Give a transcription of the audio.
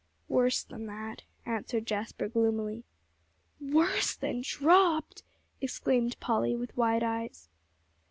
"Worse than that," answered Jasper gloomily. "Worse than dropped!" exclaimed Polly with wide eyes.